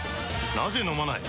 なぜ飲まない？